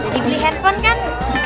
dibeli handphone kan